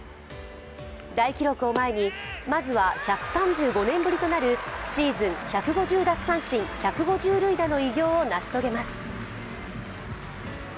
大記録を前に、まずは１３５年ぶりとなるシーズン１５０奪三振・１５０塁打の偉業を成し遂げます。